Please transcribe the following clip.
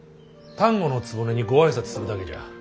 丹後局にご挨拶するだけじゃ。